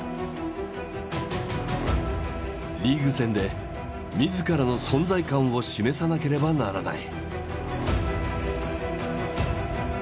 リーグ戦で自らの存在感を示さなければならない。